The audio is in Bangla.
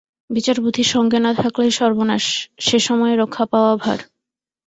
বিচারবুদ্ধি সঙ্গে না থাকলেই সর্বনাশ, সে-সময়ে রক্ষা পাওয়া ভার।